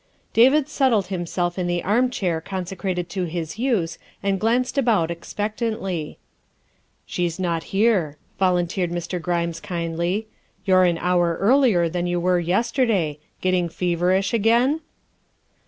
David settled himself in the armchair consecrated to his use and glanced about expectantly. " She's not here," volunteered Mr. Grimes kindly; " you're an hour earlier than you were yesterday. Get ting feverish again?"